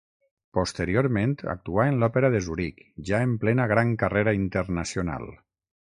Posteriorment actuà en l'Òpera de Zuric ja en plena gran carrera internacional.